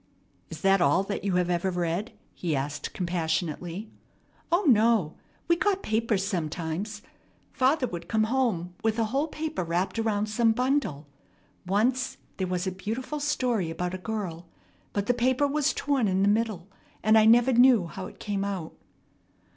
"Is that all that you have ever read?" he asked compassionately. "O, no! We got papers sometimes. Father would come home with a whole paper wrapped around some bundle. Once there was a beautiful story about a girl; but the paper was torn in the middle, and I never knew how it came out."